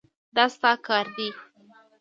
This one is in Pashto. دا ستا کار دی.